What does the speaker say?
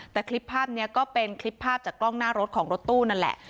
แต่คลิปภาพนี้ก็เป็นคลิปภาพจากกล้องหน้ารถของรถตู้นั่นแหละ